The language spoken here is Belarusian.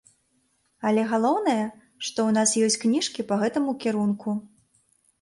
Але галоўнае, што ў нас ёсць кніжкі па гэтаму кірунку.